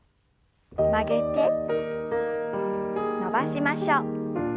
曲げて伸ばしましょう。